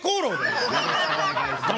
よろしくお願いします